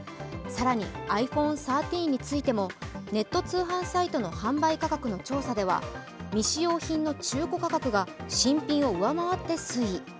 更に、ｉＰｈｏｎｅ１３についてもネット通販サイトの販売価格の調査では、未使用品の中古価格が新品を上回って推移。